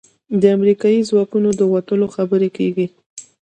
د امریکايي ځواکونو د وتلو خبرې کېږي.